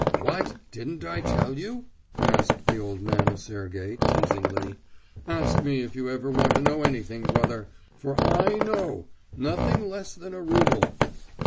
"What? Didn't I tell you?" asked the old man of Sergey, teasingly. "Ask me if you ever want to know anything, brother, for I know. Nothing less than a rouble."